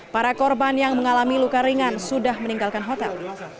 para korban yang mengalami luka ringan sudah meninggalkan hotel